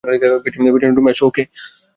পেছনের রুমে আসো, ওকে?